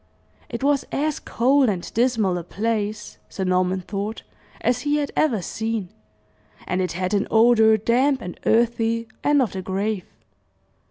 It was as cold and dismal a place, Sir Norman thought, as he had ever seen; and it had an odor damp and earthy, and of the grave.